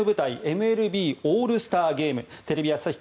ＭＬＢオールスターゲームテレビ朝日